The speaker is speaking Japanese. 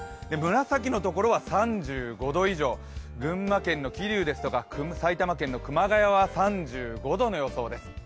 紫のところは３５度以上、群馬県の桐生ですとか埼玉県の熊谷は３５度の予想です。